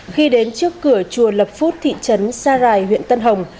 khi đến trước cửa chùa lập phút thị trấn sa rài huyện tân hồng